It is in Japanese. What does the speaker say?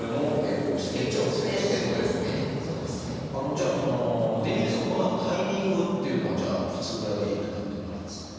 じゃあそのＤＢＳを行うタイミングっていうのはじゃあいつぐらいがいいとかっていうのはあるんですか？